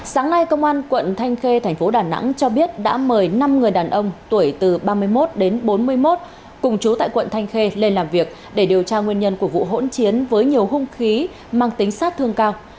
sáng nay công an quận thanh khê thành phố đà nẵng cho biết đã mời năm người đàn ông tuổi từ ba mươi một đến bốn mươi một cùng chú tại quận thanh khê lên làm việc để điều tra nguyên nhân của vụ hỗn chiến với nhiều hung khí mang tính sát thương cao